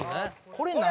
これ何？